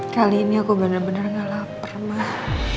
kali ini aku bener bener gak lapar mah